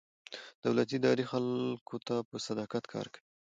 دولتي ادارې خلکو ته په صداقت کار کوي.